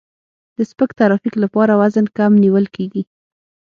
د سپک ترافیک لپاره وزن کم نیول کیږي